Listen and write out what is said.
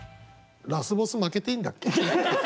ラスボス負けていいんだっけ？